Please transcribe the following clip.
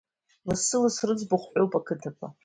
Лассы-лассы рыӡбахә ҳәоуп ақыҭақәа…